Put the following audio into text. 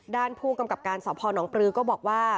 ด้านผู้กำกับการสพนปลือก็บอกว่า